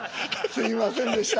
すみませんでした。